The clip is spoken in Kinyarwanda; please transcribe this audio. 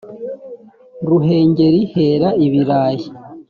ruhengeri hera ibirayi.